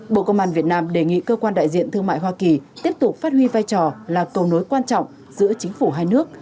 bộ công an việt nam đề nghị cơ quan đại diện thương mại hoa kỳ tiếp tục phát huy vai trò là cầu nối quan trọng giữa chính phủ hai nước